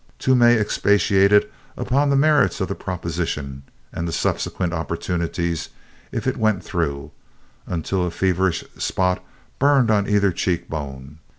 Toomey expatiated upon the merits of the proposition and the subsequent opportunities if it went through, until a feverish spot burned on either cheek bone.